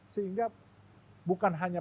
sehingga bukan hanya